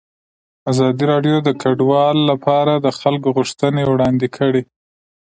ازادي راډیو د کډوال لپاره د خلکو غوښتنې وړاندې کړي.